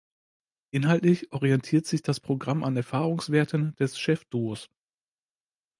Inhaltlich orientiert sich das Programm an Erfahrungswerten des Chef-Duos.